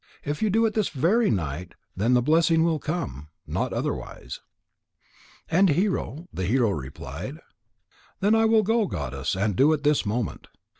If you do it this very night, then the blessing will come, not otherwise." And Hero, the hero, replied: "Then I will go, Goddess, and do it this moment."